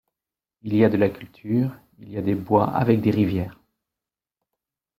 Il y a de la culture, il y a des bois avec des rivières...